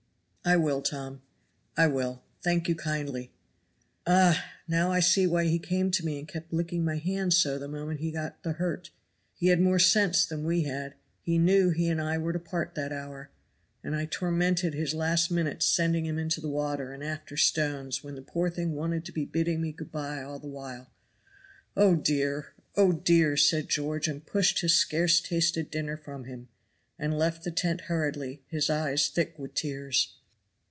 "I will, Tom, I will. Thank you kindly. Ah! now I see why he came to me and kept licking my hand so the moment he got the hurt. He had more sense than we had; he knew he and I were to part that hour. And I tormented his last minutes sending him into the water and after stones, when the poor thing wanted to be bidding me good by all the while. Oh, dear! oh, dear!" and George pushed his scarce tasted dinner from him, and left the tent hurriedly, his eyes thick with tears.